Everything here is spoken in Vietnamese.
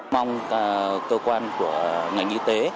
mong cơ quan của ngành y tế